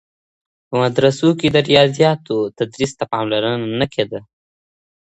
په مدرسو کي د ریاضیاتو تدریس ته پاملرنه نه کيده.